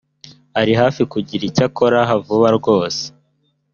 ari hafi kugira icyo akora vuba aha rwose